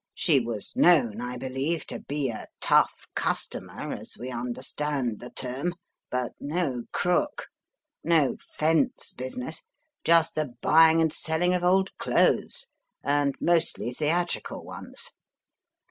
She was known, I believe, to be a tough customer as we understand the term, but no crook. No * Fence* business; just the buying and selling of old clothes, and mostly theatrical ones.